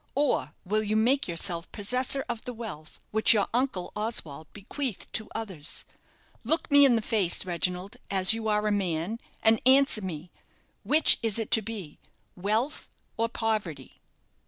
or will you make yourself possessor of the wealth which your uncle Oswald bequeathed to others? Look me in the face, Reginald, as you are a man, and answer me, Which is it to be wealth or poverty?"